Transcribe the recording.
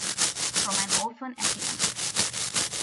From an orphan asylum!